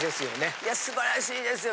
いや素晴らしいですよ。